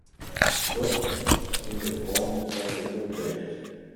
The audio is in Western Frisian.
Dat hinget ôf fan de kontekst.